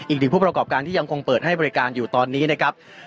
ถึงผู้ประกอบการที่ยังคงเปิดให้บริการอยู่ตอนนี้นะครับ